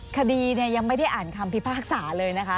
คดียังไม่ได้อ่านคำพิพากษาเลยนะคะ